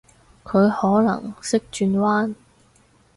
佢可能識轉彎？